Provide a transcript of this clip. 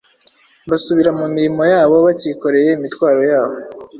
basubira mu mirimo yabo bacyikoreye imitwaro yabo.